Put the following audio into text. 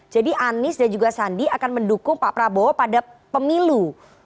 jadi anies dan juga sandi akan mendukung pak prabowo pada pemilu